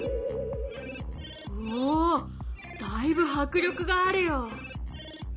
おおだいぶ迫力があるよ。